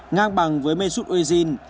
ngang bằng với mesut ozil